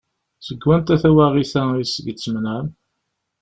Seg wanta tawaɣit-a iseg d-tmenɛem?